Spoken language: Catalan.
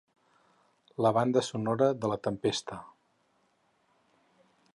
La banda sonora de la tempesta.